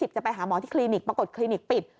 จะไปหาหมอที่คลินิกปรากฏคลินิกปิด